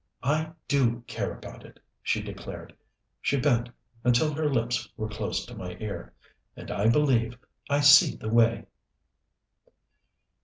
"I do care about it," she declared. She bent, until her lips were close to my ear. "And I believe I see the way."